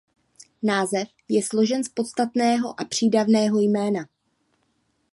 Název je složen z podstatného a přídavného jména.